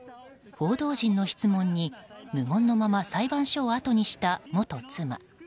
報道陣の質問に、無言のまま裁判所をあとにした元妻。